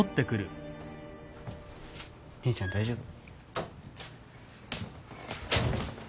姉ちゃん大丈夫？